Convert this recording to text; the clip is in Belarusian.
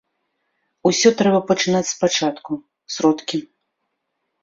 Усё трэба пачынаць спачатку, сродкі.